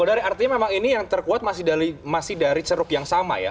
oh dari artinya memang ini yang terkuat masih dari ceruk yang sama ya